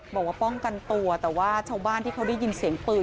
บอกว่าป้องกันตัวแต่ว่าชาวบ้านที่เขาได้ยินเสียงปืน